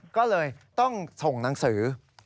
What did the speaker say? ก็เลยต้องส่งหนังสือ